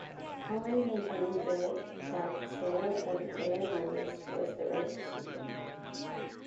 Cullen maintained throughout that the sale of Aer Lingus was "the right decision".